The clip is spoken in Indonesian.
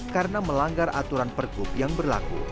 karena melanggar aturan pergub yang berlaku